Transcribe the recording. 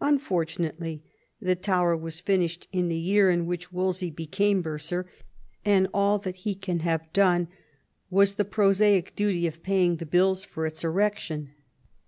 Unfortunately the tower was finished in the year in which Wolsey became bursar, and all that he can have done was the prosaic duty of paying the bills for its erection.